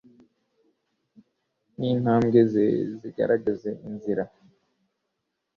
n’intambwe ze zigaragaze inzira